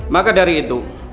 maka dari itu